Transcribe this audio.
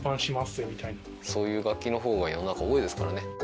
そういう楽器のほうが世の中多いですからね。